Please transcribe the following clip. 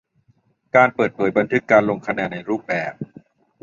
การเปิดเผยบันทึกการลงคะแนนในรูปแบบ